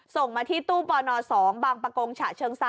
ส่งมาที่ตู้ปน๒บปช๒๔๑๓๐